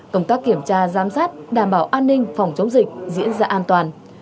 công tác kiểm tra giám sát đảm bảo an ninh phòng chống dịch diễn ra an toàn